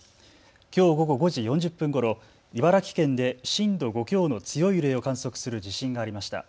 きょう午後５時４０分ごろ、茨城県で震度５強の強い揺れを観測する地震がありました。